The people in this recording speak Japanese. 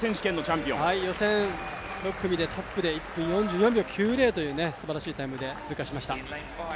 予選６組でトップで１分４４秒９０という素晴らしいタイムで通過しました。